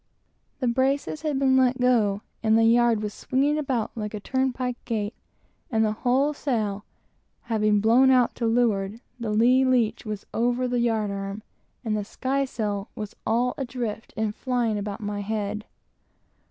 The braces had been let go, and the yard was swinging about like a turnpike gate, and the whole sail having blown over to leeward, the lee leach was over the yard arm, and the sky sail was all adrift and flying over my head.